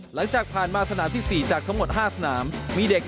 หลังจากผ่านมาสนามที่๔จากทั้งหมด๕สนาม